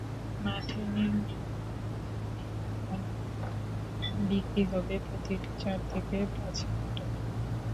মাঠে নির্মাণাধীন দোকানগুলো বিক্রি হবে প্রতিটি চার থেকে পঁাচ লাখ টাকায়।